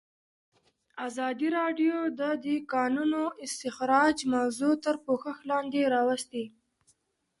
ازادي راډیو د د کانونو استخراج موضوع تر پوښښ لاندې راوستې.